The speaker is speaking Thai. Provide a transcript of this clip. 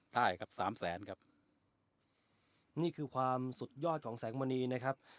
ได้ครับสามแสนครับนี่คือความสุดยอดของแสงมณีนะครับ